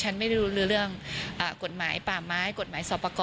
ฉันไม่ได้รู้เรื่องกฎหมายป่าไม้กฎหมายศพกอ